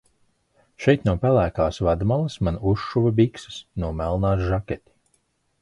Šeit no pelēkās vadmalas man uzšuva bikses, no melnās žaketi.